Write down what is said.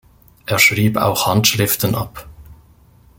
Er schrieb auch Handschriften ab.